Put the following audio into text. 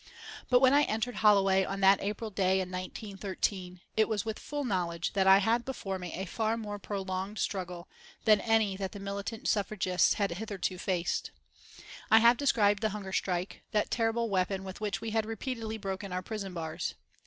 But when I entered Holloway on that April day in 1913, it was with full knowledge that I had before me a far more prolonged struggle than any that the militant suffragists had hitherto faced. I have described the hunger strike, that terrible weapon with which we had repeatedly broken our prison bars.